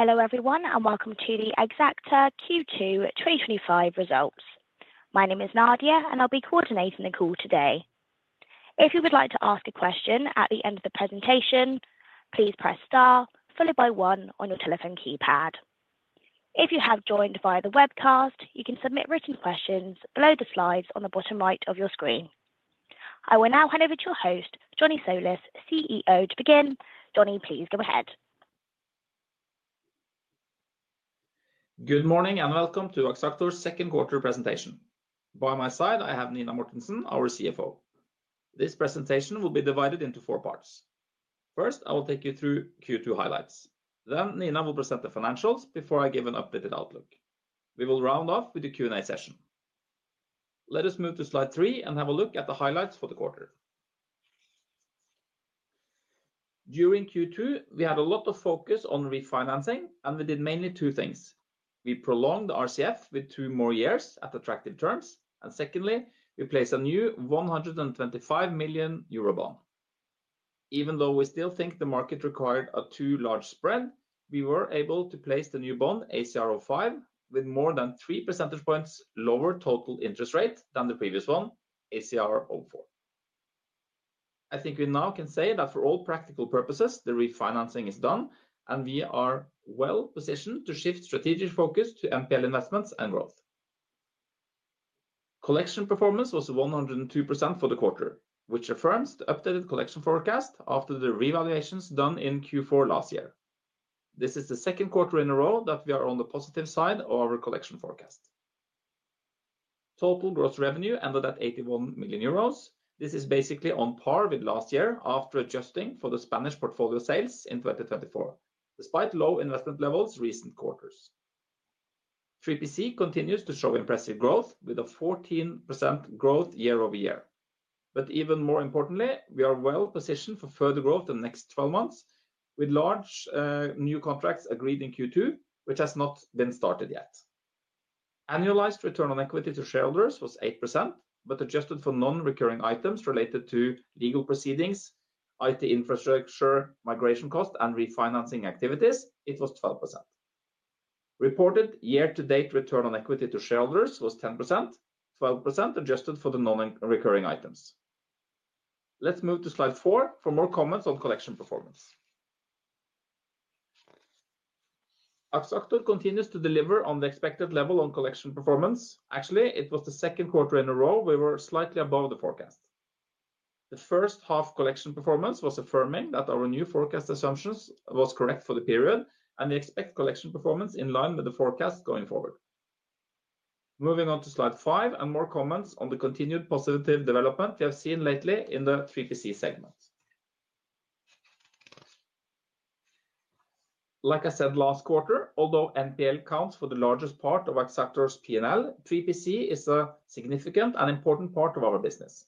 Hello everyone, and welcome to the Axactor Q2 2025 Results. My name is Nadia, and I'll be coordinating the call today. If you would like to ask a question at the end of the presentation, please press star, followed by one on your telephone keypad. If you have joined via the webcast, you can submit written questions below the slides on the bottom right of your screen. I will now hand over to your host, Johnny Tsolis, CEO, to begin. Johnny, please go ahead. Good morning and welcome to Axactor's Second Quarter Presentation. By my side, I have Nina Mortensen, our CFO. This presentation will be divided into four parts. First, I will take you through Q2 highlights. Then, Nina will present the financials before I give an updated outlook. We will round off with the Q&A session. Let us move to slide three and have a look at the highlights for the quarter. During Q2, we had a lot of focus on refinancing, and we did mainly two things. We prolonged the RCF with two more years at attractive terms, and secondly, we placed a new 125 million euro bond. Even though we still think the market required a too large spread, we were able to place the new bond, ACR05, with more than three percentage points lower total interest rate than the previous one, ACR04. I think we now can say that for all practical purposes, the refinancing is done, and we are well positioned to shift strategic focus to NPL investments and growth. Collection performance was 102% for the quarter, which affirms the updated collection forecast after the revaluations done in Q4 last year. This is the second quarter in a row that we are on the positive side of our collection forecast. Total gross revenue ended at 81 million euros. This is basically on par with last year after adjusting for the Spanish portfolio sales in 2024, despite low investment levels in recent quarters. 3PC continues to show impressive growth with a 14% growth year-over-year. Even more importantly, we are well positioned for further growth in the next 12 months, with large new contracts agreed in Q2, which have not been started yet. Annualized return on equity to shareholders was 8%, but adjusted for non-recurring items related to legal proceedings, IT infrastructure, migration costs, and refinancing activities, it was 12%. Reported year-to-date return on equity to shareholders was 10%, 12% adjusted for the non-recurring items. Let's move to slide four for more comments on collection performance. Axactor continues to deliver on the expected level on collection performance. Actually, it was the second quarter in a row we were slightly above the forecast. The first half collection performance was affirming that our new forecast assumptions were correct for the period, and we expect collection performance in line with the forecast going forward. Moving on to slide five and more comments on the continued positive development we have seen lately in the 3PC segment. Like I said last quarter, although NPL counts for the largest part of Axactor's P&L, 3PC is a significant and important part of our business.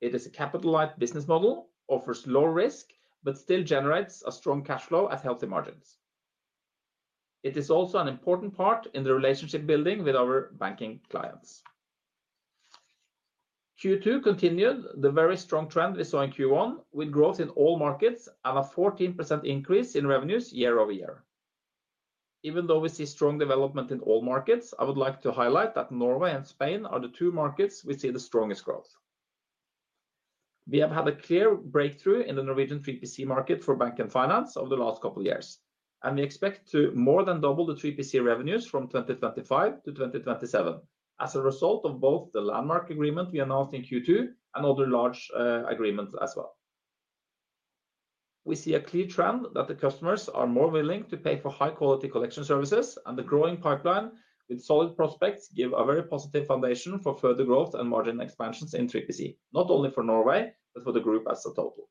It is a capital-light business model, offers low risk, but still generates a strong cash flow at healthy margins. It is also an important part in the relationship building with our banking clients. Q2 continued the very strong trend we saw in Q1, with growth in all markets and a 14% increase in revenues year-over-year. Even though we see strong development in all markets, I would like to highlight that Norway and Spain are the two markets we see the strongest growth. We have had a clear breakthrough in the Norwegian 3PC market for bank and finance over the last couple of years, and we expect to more than double the 3PC revenues from 2025 to 2027 as a result of both the landmark agreement we announced in Q2 and other large agreements as well. We see a clear trend that the customers are more willing to pay for high-quality collection services, and the growing pipeline with solid prospects gives a very positive foundation for further growth and margin expansions in 3PC, not only for Norway but for the group as a total.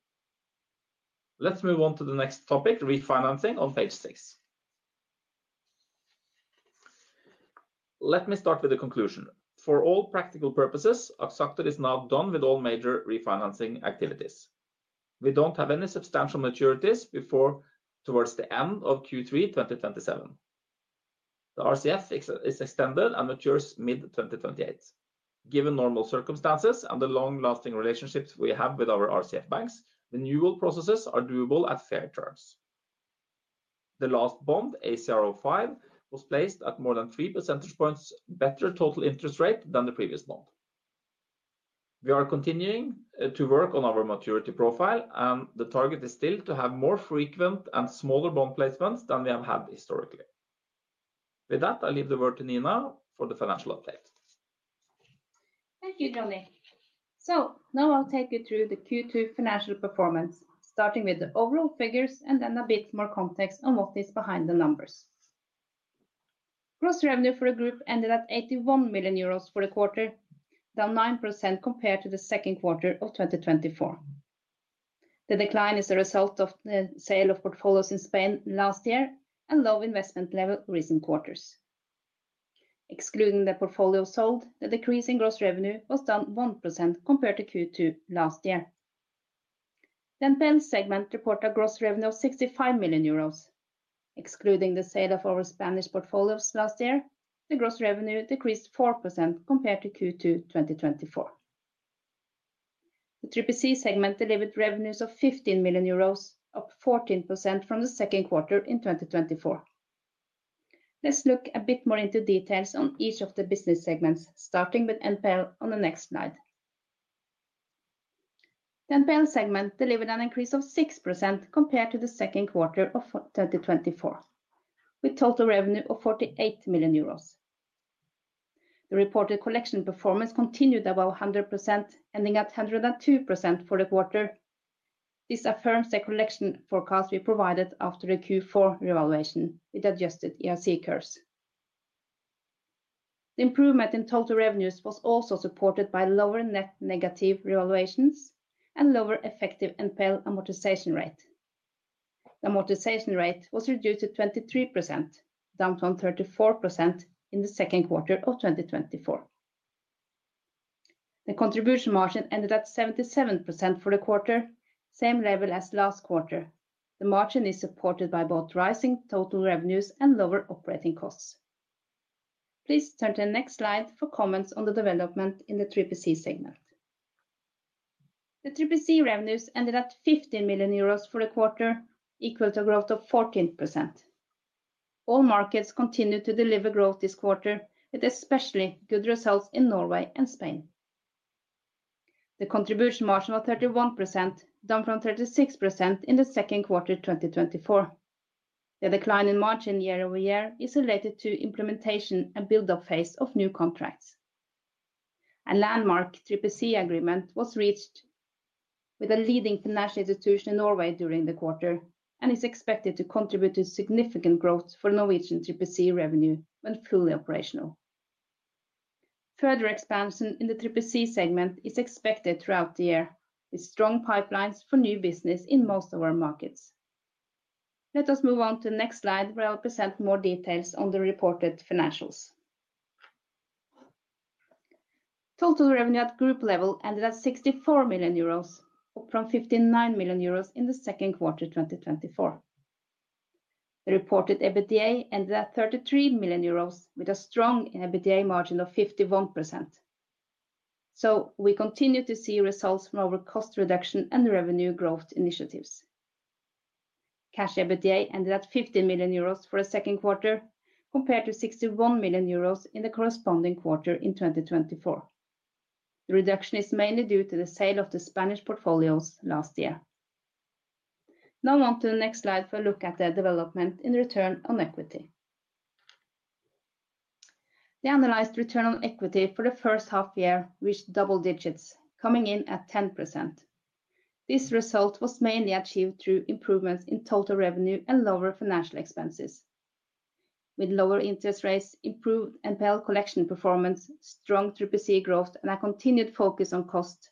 Let's move on to the next topic, refinancing on page six. Let me start with the conclusion. For all practical purposes, Axactor is now done with all major refinancing activities. We don't have any substantial maturities before towards the end of Q3 2027. The RCF is extended and matures mid-2028. Given normal circumstances and the long-lasting relationships we have with our RCF banks, renewal processes are doable at fair terms. The last bond, ACR05, was placed at more than three percentage points better total interest rate than the previous bond. We are continuing to work on our maturity profile, and the target is still to have more frequent and smaller bond placements than we have had historically. With that, I leave the word to Nina for the financial update. Thank you, Johnny. Now I'll take you through the Q2 financial performance, starting with the overall figures and then a bit more context on what is behind the numbers. Gross revenue for the group ended at 81 million euros for the quarter, down 9% compared to the second quarter of 2024. The decline is a result of the sale of portfolios in Spain last year and low investment level in recent quarters. Excluding the portfolio sold, the decrease in gross revenue was down 1% compared to Q2 last year. The NPL segment reported a gross revenue of 65 million euros. Excluding the sale of our Spanish portfolios last year, the gross revenue decreased 4% compared to Q2 2024. The 3PC segment delivered revenues of 15 million euros, up 14% from the second quarter in 2024. Let's look a bit more into details on each of the business segments, starting with NPL on the next slide. The NPL segment delivered an increase of 6% compared to the second quarter of 2024, with a total revenue of 48 million euros. The reported collection performance continued above 100%, ending at 102% for the quarter. This affirms the collection forecast we provided after the Q4 revaluation with adjusted ERC curves. The improvement in total revenues was also supported by lower net negative revaluations and lower effective NPL amortization rate. The amortization rate was reduced to 23%, down from 34% in the second quarter of 2024. The contribution margin ended at 77% for the quarter, same level as last quarter. The margin is supported by both rising total revenues and lower operating costs. Please turn to the next slide for comments on the development in the 3PC segment. The 3PC revenues ended at 15 million euros for the quarter, equal to a growth of 14%. All markets continue to deliver growth this quarter, with especially good results in Norway and Spain. The contribution margin was 31%, down from 36% in the second quarter of 2024. The decline in margin year-over-year is related to the implementation and build-up phase of new contracts. A landmark 3PC agreement was reached with a leading financial institution in Norway during the quarter and is expected to contribute to significant growth for Norwegian 3PC revenue when fully operational. Further expansion in the 3PC segment is expected throughout the year, with strong pipelines for new business in most of our markets. Let us move on to the next slide where I'll present more details on the reported financials. Total revenue at the group level ended at 64 million euros, up from 59 million euros in the second quarter of 2024. The reported EBITDA ended at 33 million euros, with a strong EBITDA margin of 51%. We continue to see results from our cost reduction and revenue growth initiatives. Cash EBITDA ended at 15 million euros for the second quarter, compared to 61 million euros in the corresponding quarter in 2024. The reduction is mainly due to the sale of the Spanish portfolios last year. Now on to the next slide for a look at the development in return on equity. The annualized return on equity for the first half year reached double digits, coming in at 10%. This result was mainly achieved through improvements in total revenue and lower financial expenses. With lower interest rates, improved NPL collection performance, strong 3PC growth, and a continued focus on cost,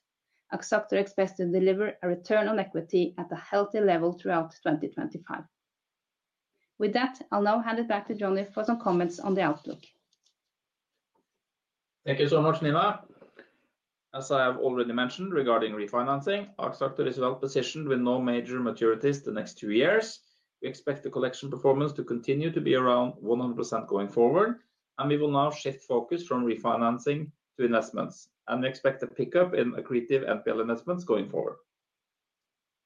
Axactor expects to deliver a return on equity at a healthy level throughout 2025. With that, I'll now hand it back to Johnny for some comments on the outlook. Thank you so much, Nina. As I have already mentioned regarding refinancing, Axactor ASA is well positioned with no major maturities in the next two years. We expect the collection performance to continue to be around 100% going forward, and we will now shift focus from refinancing to investments, and we expect a pickup in accretive NPL investments going forward.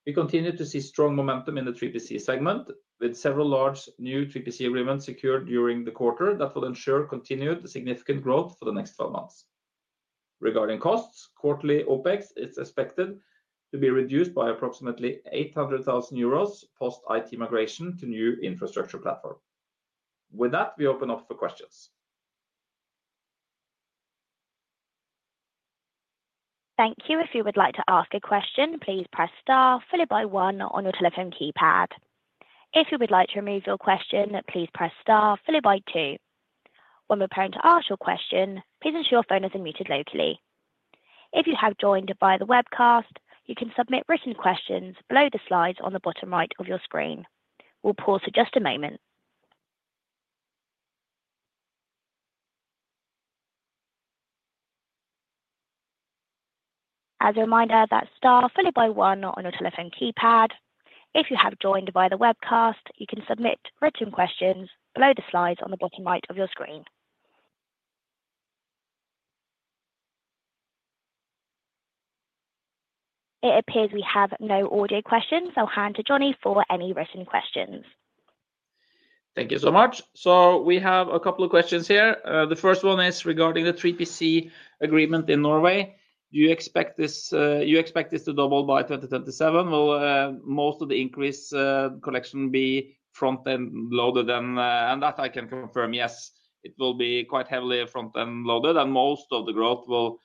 We continue to see strong momentum in the 3PC segment, with several large new 3PC agreements secured during the quarter that will ensure continued significant growth for the next 12 months. Regarding costs, quarterly OpEx is expected to be reduced by approximately 800,000 euros post-IT migration to new infrastructure platform. With that, we open up for questions. Thank you. If you would like to ask a question, please press star, followed by one on your telephone keypad. If you would like to remove your question, please press star, followed by two. When you're prompted to ask your question, please ensure your phone is unmuted locally. If you have joined via the webcast, you can submit written questions below the slides on the bottom right of your screen. We'll pause for just a moment. As a reminder, that's star, followed by one on your telephone keypad. If you have joined via the webcast, you can submit written questions below the slides on the bottom right of your screen. It appears we have no audio questions, so I'll hand to Johnny for any written questions. Thank you so much. We have a couple of questions here. The first one is regarding the 3PC agreement in Norway. Do you expect this to double by 2027? Will most of the increased collection be front-end loaded? I can confirm, yes, it will be quite heavily front-end loaded, and most of the growth will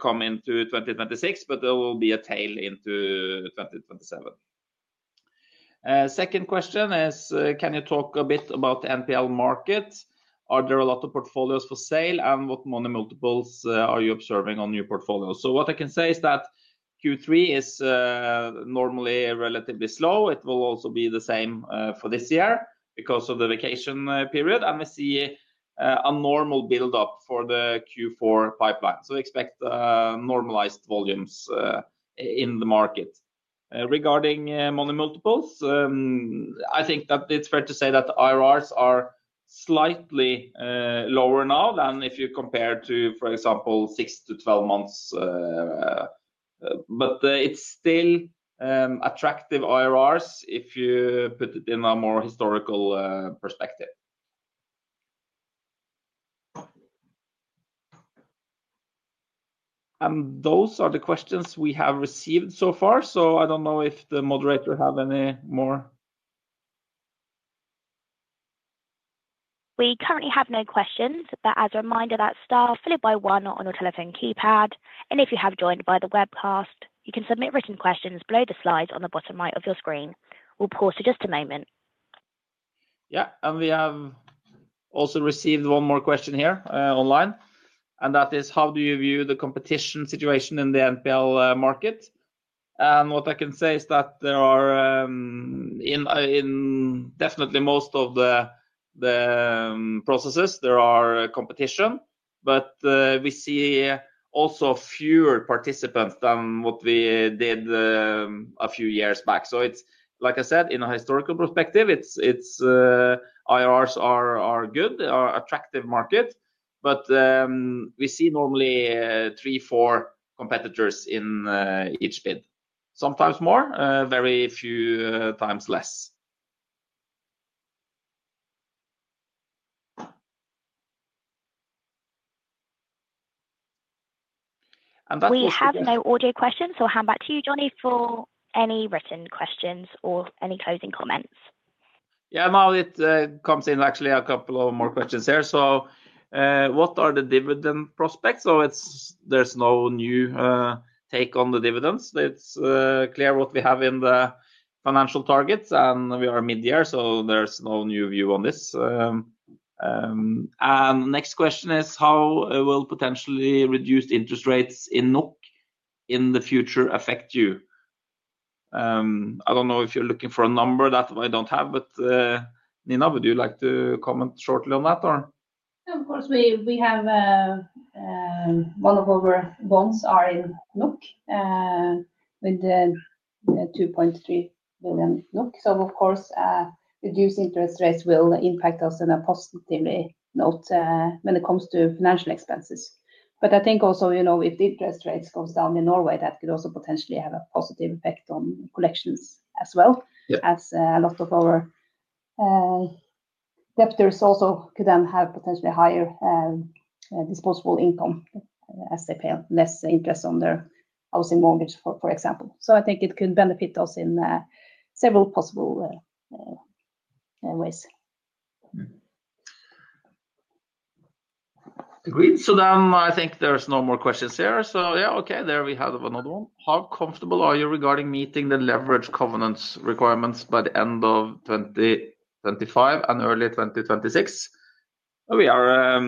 come into 2026, but there will be a tail into 2027. The second question is, can you talk a bit about the NPL market? Are there a lot of portfolios for sale, and what money multiples are you observing on new portfolios? What I can say is that Q3 is normally relatively slow. It will also be the same for this year because of the vacation period, and we see a normal build-up for the Q4 pipeline. We expect normalized volumes in the market. Regarding money multiples, I think that it's fair to say that the IRRs are slightly lower now than if you compare to, for example, 6-12 months. It's still attractive IRRs if you put it in a more historical perspective. Those are the questions we have received so far, so I don't know if the moderator has any more. We currently have no questions, but as a reminder, that's star followed by one on your telephone keypad. If you have joined via the webcast, you can submit written questions below the slides on the bottom right of your screen. We'll pause for just a moment. Yeah, we have also received one more question here online, and that is, how do you view the competition situation in the NPL market? What I can say is that there are, in definitely most of the processes, competition, but we see also fewer participants than what we did a few years back. It's, like I said, in a historical perspective, IRRs are good, they are an attractive market, but we see normally three, four competitors in each bid. Sometimes more, very few times less. We have no audio questions, so I'll hand back to you, Johnny, for any written questions or any closing comments. Yeah, now it comes in, actually, a couple of more questions here. What are the dividend prospects? There's no new take on the dividends. It's clear what we have in the financial targets, and we are mid-year, so there's no new view on this. The next question is, how will potentially reduced interest rates in Norway in the future affect you? I don't know if you're looking for a number that I don't have, but Nina, would you like to comment shortly on that? Of course, we have one of our bonds in NOK with the 2.3 million NOK. Reduced interest rates will impact us in a positive way when it comes to financial expenses. I think also, you know, if the interest rates go down in Norway, that could also potentially have a positive effect on collections as well, as a lot of our debtors also could then have potentially higher disposable income as they pay less interest on their housing mortgage, for example. I think it could benefit us in several possible ways. Agreed. I think there's no more questions here. Okay, there we have another one. How comfortable are you regarding meeting the leverage covenants requirements by the end of 2025 and early 2026? We are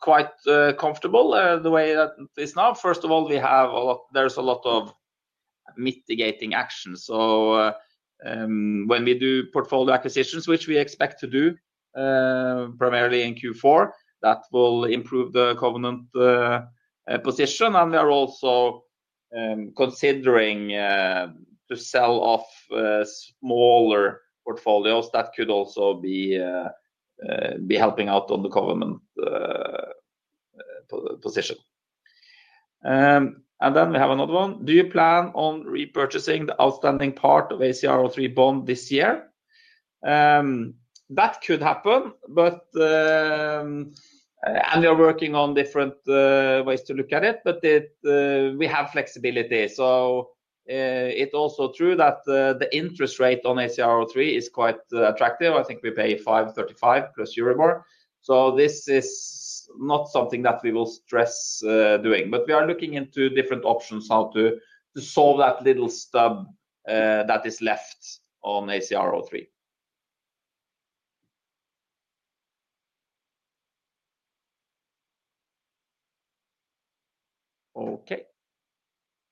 quite comfortable the way that it is now. First of all, we have a lot, there's a lot of mitigating actions. When we do portfolio acquisitions, which we expect to do primarily in Q4, that will improve the covenant position. We are also considering to sell off smaller portfolios that could also be helping out on the covenant position. We have another one. Do you plan on repurchasing the outstanding part of ACR03 bond this year? That could happen, but we are working on different ways to look at it, but we have flexibility. It's also true that the interest rate on ACR03 is quite attractive. I think we pay 5.35% plus EURIBOR. This is not something that we will stress doing, but we are looking into different options how to solve that little stub that is left on ACR03.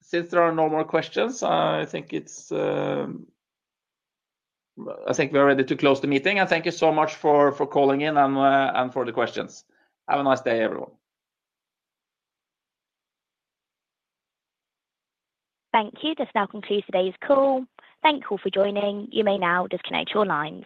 Since there are no more questions, I think we are ready to close the meeting. Thank you so much for calling in and for the questions. Have a nice day, everyone. Thank you. This now concludes today's call. Thank you all for joining. You may now disconnect your line.